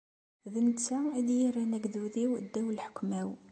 D netta i d-irran agdud-iw ddaw n lḥekma-w.